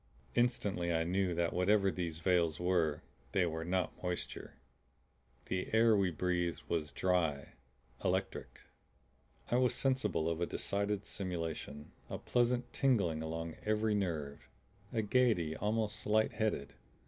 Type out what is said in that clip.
Instantly I knew that whatever these veils were, they were not moisture. The air we breathed was dry, electric. I was sensible of a decided stimulation, a pleasant tingling along every nerve, a gaiety almost light headed.